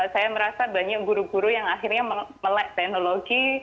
saya merasa banyak guru guru yang akhirnya melek teknologi